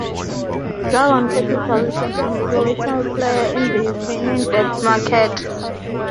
Dragon Capital is an influential player in the Ukrainian debt market.